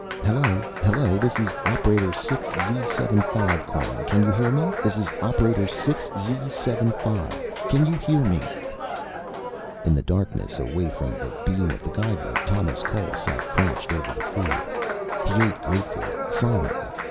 "Hello! Hello! This is operator 6 Z75 calling. Can you hear me? This is operator 6 Z75. Can you hear me?" In the darkness, away from the beam of the guide light, Thomas Cole sat crouched over the food. He ate gratefully, silently.